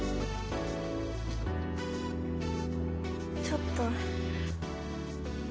ちょっと。